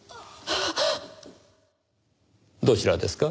どちらですか？